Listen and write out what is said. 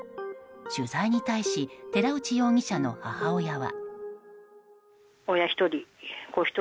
取材に対し寺内容疑者の母親は。